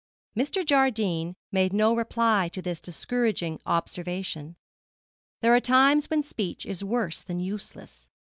Mr. Jardine made no reply to this discouraging observation. There are times when speech is worse than useless.